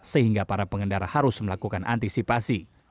sehingga para pengendara harus melakukan antisipasi